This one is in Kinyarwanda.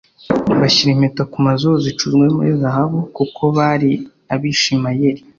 bashyira impeta ku mazuru zicuzwe muri zahabu kuko bari Abishimayeli